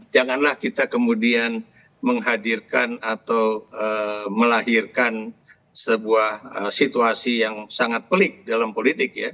janganlah kita kemudian menghadirkan atau melahirkan sebuah situasi yang sangat pelik dalam politik ya